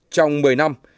trong một mươi năm